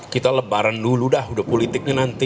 kita lebaran dulu dah udah politiknya nanti